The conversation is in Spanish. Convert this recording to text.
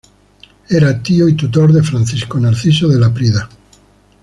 Era tío y tutor de Francisco Narciso de Laprida.